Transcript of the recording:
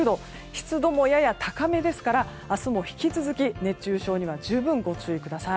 湿度もやや高めですから明日も引き続き熱中症には十分ご注意ください。